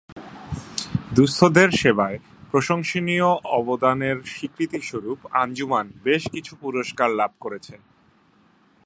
দুঃস্থদের সেবায় প্রশংসনীয় অবদানের স্বীকৃতিস্বরূপ আঞ্জুমান বেশ কিছু পুরস্কার লাভ করেছে।